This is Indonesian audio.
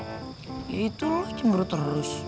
ya itu lo cemburu terus